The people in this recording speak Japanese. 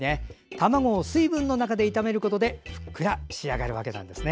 卵を水分の中で炒めることでふっくら仕上がるわけなんですね。